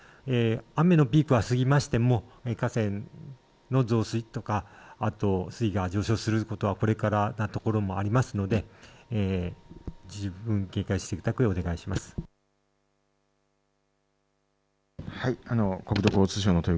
雨のピークは過ぎましても河川の増水とかあと、水位が上昇することはこれからな所もありますので十分警戒していただくよう国土交通省のとよ